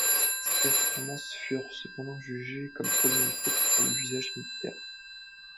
Ses performances furent cependant jugées comme trop limitées pour l'usage militaire.